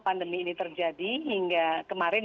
pandemi ini terjadi hingga kemarin